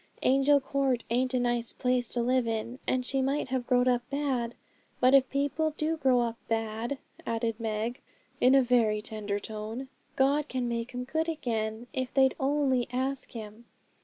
Angel Court ain't a nice place to live in, and she might have growed up bad. But if people do grow up bad,' added Meg, in a very tender tone, 'God can make 'em good again if they'd only ask Him.'